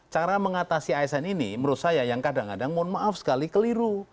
cara mengatasi asn ini menurut saya yang kadang kadang mohon maaf sekali keliru